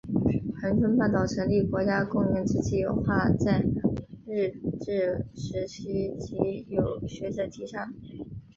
恒春半岛成立国家公园之计画在日治时期即有学者提倡。